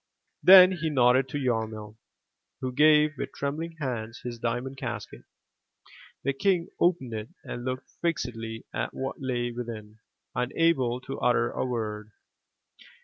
*' Then he nodded to Yarmil, who gave with trembling hands his diamond casket. The King opened it and looked fixedly at what lay within, unable to utter a word.